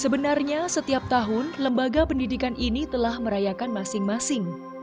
sebenarnya setiap tahun lembaga pendidikan ini telah merayakan masing masing